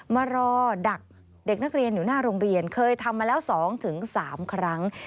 มารอดักเด็กนักเรียนอยู่หน้าโรงเรียนเคยทำมาแล้ว๒๓ครั้ง